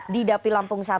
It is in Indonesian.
di dapil lampung satu